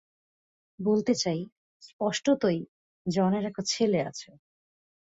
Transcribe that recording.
বলতে চাই, স্পষ্টতই, জনের একটা ছেলে আছে।